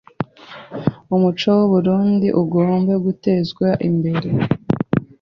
umuco w’u Burunndi ugombe gutezwe imbere